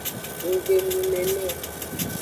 Nggbe nu nene o.